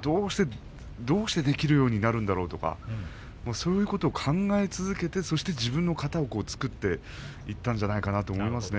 どうしたらできるようになるんだろうとか、そういうことを考え続けて自分の型を作っていったんじゃないかなと思いますね。